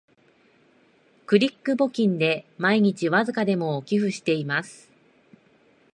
クリック募金で毎日わずかでも寄付してます